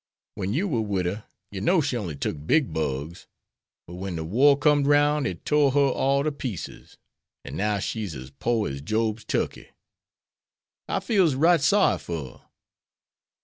Wen you war wid her, yer know she only took big bugs. But wen de war com'd 'roun' it tore her all ter pieces, an' now she's as pore as Job's turkey. I feel's right sorry fer her.